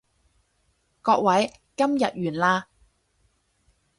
各位，今日完啦